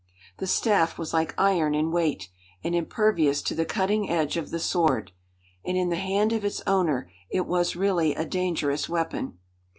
The staff was like iron in weight, and impervious to the cutting edge of the sword; and in the hand of its owner it was really a dangerous weapon.